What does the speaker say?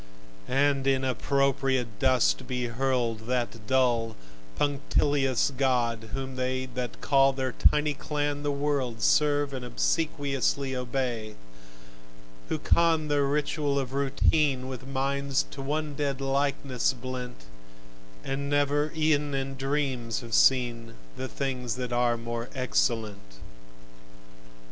And in appropriate dust be hurled That dull, punctilious god, whom they That call their tiny clan the world, Serve and obsequiously obey: Who con their ritual of Routine, With minds to one dead likeness blent, And never ev'n in dreams have seen The things that are more excellent.